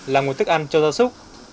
làm một thức ăn cho gia súc